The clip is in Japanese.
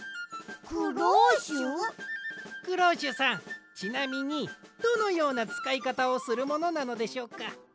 クローシュさんちなみにどのようなつかいかたをするものなのでしょうか？